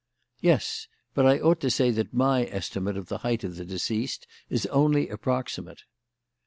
"Yes. But I ought to say that my estimate of the height of the deceased is only approximate."